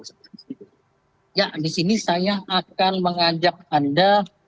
ya di sini saya akan mengajak anda